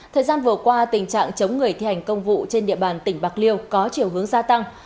thời gian vừa qua tình trạng chống người thi hành công vụ trên địa bàn tỉnh bạc liêu có chiều hướng gia tăng